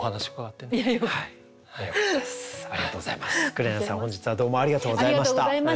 紅さん本日はどうもありがとうございました。